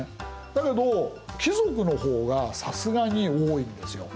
だけど貴族の方がさすがに多いんですよ。